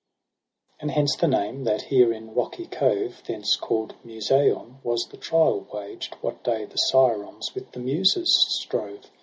And hence the name j that here in rocky cove, Thence called Museion, was the trial waged What day the Sirens with the Muses strove.